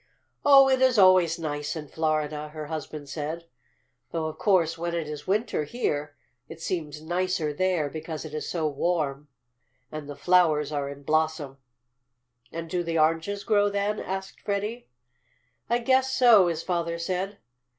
"Oh, it is always nice in Florida," her husband said, "though of course when it is winter here it seems nicer there because it is so warm, and the flowers are in blossom." "And do the oranges grow then?" asked Freddie. "I guess so," his father said.